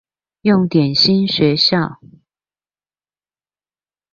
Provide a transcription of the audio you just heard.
用點心學校